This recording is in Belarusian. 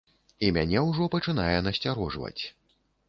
І мяне ўжо пачынае насцярожваць.